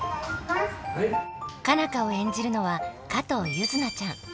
佳奈花を演じるのは加藤柚凪ちゃん。